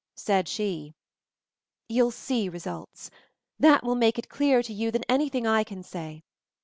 Said she :| "You'll see results. That will make it clearer to you than anything I can say.